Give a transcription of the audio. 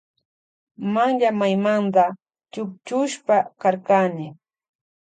Manllaymanta chukchushpa karkani.